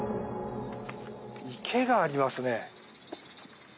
池がありますね。